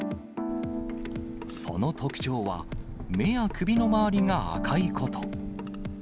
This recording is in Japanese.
その特徴は、目や首の周りが赤いこと。